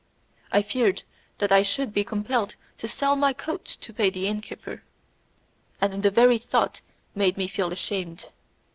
I feared that I should be compelled to sell my coat to pay the inn keeper, and the very thought made me feel ashamed.